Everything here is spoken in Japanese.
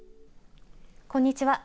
こんにちは。